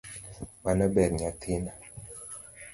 Mano ber nyathina.